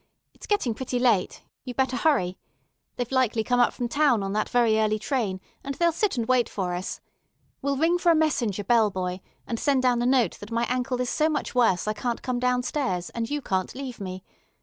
It's getting pretty late. You better hurry. They've likely come up from town on that very early train, and they'll sit and wait for us. We'll ring for a messenger bell boy, and send down a note that my ankle is so much worse I can't come down stairs, and you can't leave me.